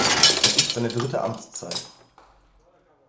Es ist seine dritte Amtszeit.